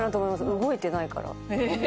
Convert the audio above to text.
動いてないから。